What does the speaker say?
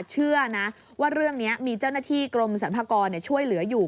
เชื่อนะว่าเรื่องนี้มีเจ้าหน้าที่กรมสรรพากรช่วยเหลืออยู่